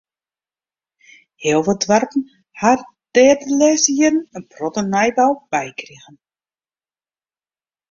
Heel wat doarpen ha der de lêste jierren in protte nijbou by krige.